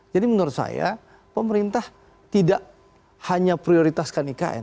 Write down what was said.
menurut saya pemerintah tidak hanya prioritaskan ikn